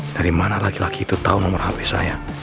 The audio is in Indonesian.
dari mana lagi lagi itu tahu nomor hp saya